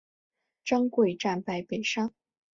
张贵战败被杀。